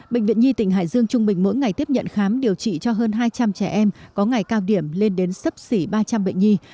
bệnh viện nhi tỉnh hải dương trung bình mỗi ngày tiếp nhận khám điều trị cho hơn hai trăm linh trẻ em có ngày cao điểm lên đến sấp xỉ ba trăm linh bệnh nhi